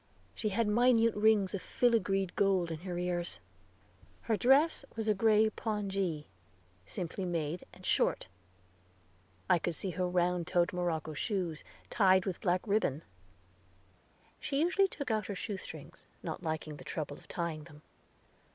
She had minute rings of filigreed gold in her ears. Her dress was a gray pongee, simply made and short; I could see her round toed morocco shoes, tied with black ribbon. She usually took out her shoestrings, not liking the trouble of tying them.